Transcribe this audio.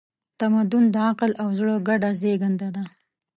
تمدن د عقل او زړه ګډه زېږنده ده.